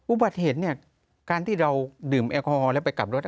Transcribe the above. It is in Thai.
อุบัติเหตุเนี่ยการที่เราดื่มแอลกอฮอลแล้วไปกลับรถ